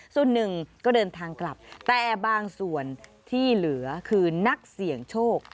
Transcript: ส่วนหนึ่งก็เดินทางกลับแต่บางส่วนที่เหลือคือนักเสี่ยงโชค